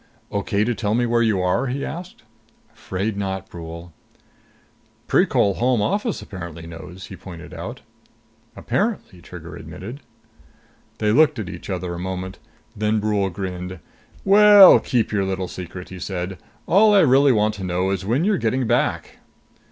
"Okay to tell me where you are?" he asked. "Afraid not, Brule." "Precol Home Office apparently knows," he pointed out. "Apparently," Trigger admitted. They looked at each other a moment; then Brule grinned. "Well, keep your little secret!" he said. "All I really want to know is when you're getting back."